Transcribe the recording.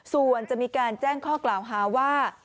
ส่วนจะมีการแจ้งข้อกล่าวหาว่า